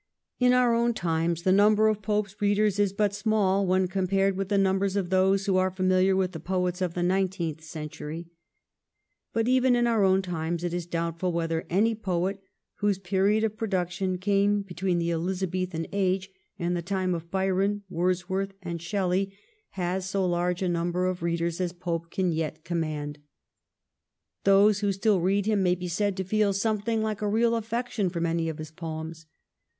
In our own times the number of Pope's readers is but small when compared with the numbers of those who are famihar with the poets of the nineteenth century. But even in our own times it is doubtful whether any poet whose period of production came between the Elizabethan age and the time of Byron, Wordsworth, and Shelley has so large a number of 1712 14 * THAMES' TRANSLUCENT WAVE/ 253 readers as Pope can yet command. Those who still read him may be said to feel something like a real affection for many of his poems.